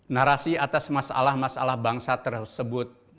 narasi atas masalah masalah bangsa tersebut